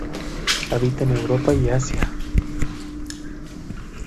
Habita en Europa y Asia.